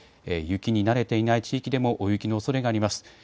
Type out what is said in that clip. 雪に慣れていない地域でも大雪のおそれがあります。